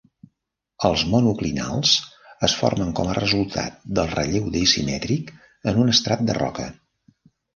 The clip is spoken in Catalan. Els monoclinals es formen com a resultat del relleu dissimètric en un estrat de roca.